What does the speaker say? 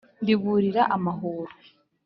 mbiburira amahuro